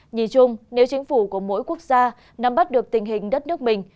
nhìn chung nếu chính phủ của mỗi quốc gia nắm bắt được tình hình đất nước mình